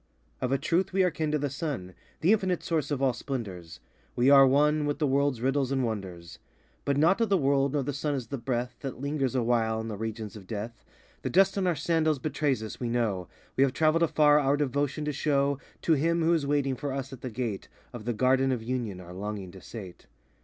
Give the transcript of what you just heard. Of a truth, we are kin to the sun, The infinite source of all splendors; We are one 78 With the world's riddles and wonders. But not of the world nor the sun is the breath That lingers awhile in the regions of Death. The dust on our sandals betrays us, we know— We have travelled afar our devotion to show To him who is waiting for us at the gate Of the Garden of Union our longing to sate.